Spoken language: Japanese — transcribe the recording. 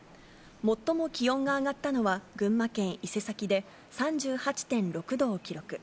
最も気温が上がったのは群馬県伊勢崎で、３８．６度を記録。